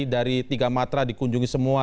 dari tiga matra dikunjungi semua